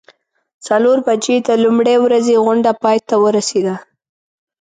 څلور بجې د لومړۍ ورځې غونډه پای ته ورسیده.